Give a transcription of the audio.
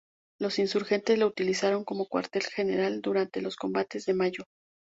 Los insurgentes lo utilizaron como cuartel general durante los combates de mayo.